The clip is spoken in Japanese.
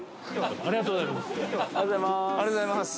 ありがとうございます。